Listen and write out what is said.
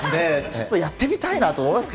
やってみたいなと思います